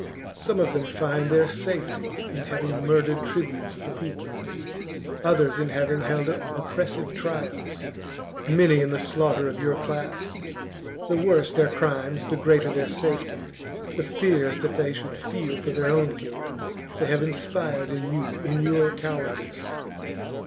Some of them find their safety in having murdered tribunes of the peo ple, others in having held oppressive trials, many in the slaughter of your class. The worse their crimes the greater their safety; the fears that they should feel for their own guilt they have inspired in you in your cowardice.